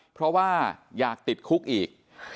เพราะว่าอยากติดคุกอีก